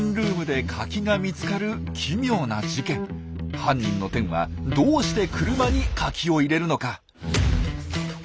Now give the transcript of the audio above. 犯人のテンはどうして車にカキを入れるのか。